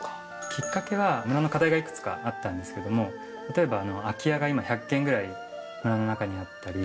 きっかけは村の課題がいくつかあったんですけども例えば空き家が今１００軒ぐらい村の中にあったり。